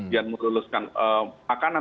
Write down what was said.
yang meluluskan makanan